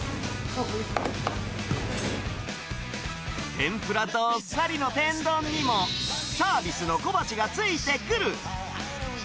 天ぷらどっさりの天丼にも、サービスの小鉢が付いてくる。